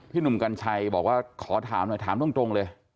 หนุ่มกัญชัยบอกว่าขอถามหน่อยถามตรงเลย